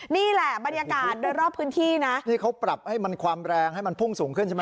นี่แหละบรรยากาศโดยรอบพื้นที่นะนี่เขาปรับให้มันความแรงให้มันพุ่งสูงขึ้นใช่ไหม